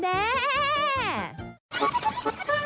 แม่ออก